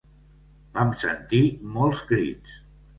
Vam sentir molts crits.